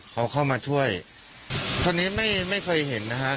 เขาเข้ามาช่วยตอนนี้ไม่ไม่เคยเห็นนะฮะ